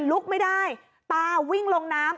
ลุกไม่ได้ตาวิ่งลงน้ำ